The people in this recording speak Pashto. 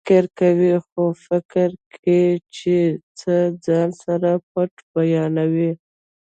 فکر کوئ خو فکر کې چې څه ځان سره پټ بیانوي